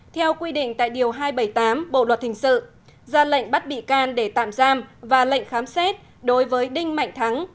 theo quy định tại điều hai trăm bảy mươi tám bộ luật hình sự ra lệnh bắt bị can để tạm giam và lệnh khám xét đối với đinh mạnh thắng